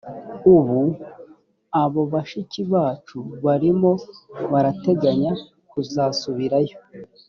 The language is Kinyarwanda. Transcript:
ubu abo bashiki bacu barimo barateganya kuzasubirayo